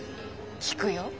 聞くよ。